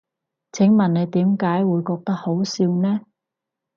請問你點解會覺得好笑呢？